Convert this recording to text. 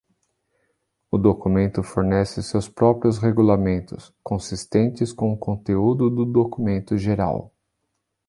O documento fornece seus próprios regulamentos, consistentes com o conteúdo do documento geral.